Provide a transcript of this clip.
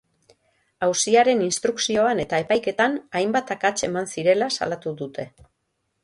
Auziaren instrukzioan eta epaiketan hainbat akats eman zirela salatu dute.